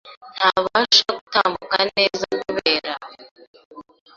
ntabasha gutambuka neza kubera